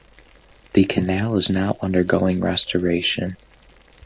The canal is now undergoing restoration.